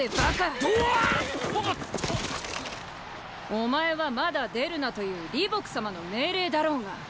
お前はまだ出るなという李牧様の命令だろうが。